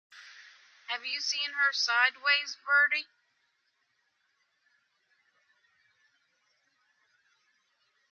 Have you seen her sideways, Bertie?